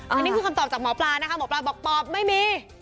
อันนี้คือคำตอบจากหมอปลานะคะหมอปลาบอกปอบไม่มี